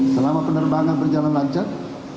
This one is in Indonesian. selama penerbangan berjalan lancar